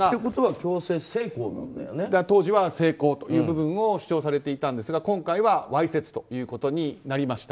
強制性交を主張されていたんですが今回はわいせつということになりました。